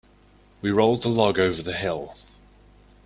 We rolled the log over the hill.